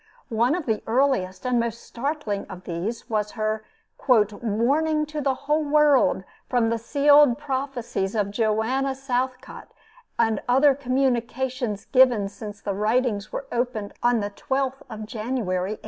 One of the earliest and most startling of these was her "Warning to the whole World, from the Sealed Prophecies of Joanna Southcott, and other communications given since the writings were opened on the 12th of January, 1803."